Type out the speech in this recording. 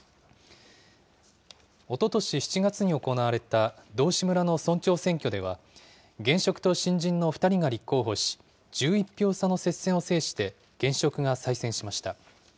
おととし７月に行われた道志村の村長選挙では、現職と新人の２人が立候補し、１１票差の接戦を制して現職が再選しました。